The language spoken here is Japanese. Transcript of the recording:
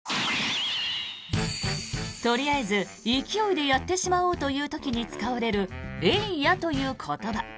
とりあえず勢いでやってしまおうという時に使われるエイヤという言葉。